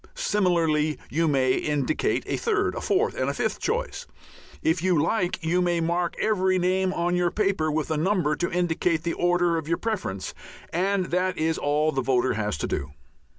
Similarly you may indicate a third, a fourth, and a fifth choice; if you like you may mark every name on your paper with a number to indicate the order of your preferences. And that is all the voter has to do.